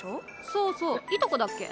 そうそういとこだっけ？